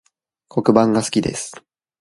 黒板が好きです